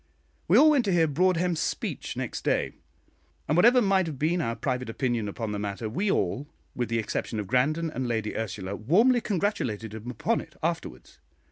We all went to hear Broadhem's speech next day, and whatever might have been our private opinion upon the matter, we all, with the exception of Grandon and Lady Ursula, warmly congratulated him upon it afterwards.